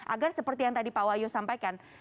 agar seperti yang tadi pak wahyu sampaikan